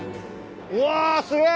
うわすげえ！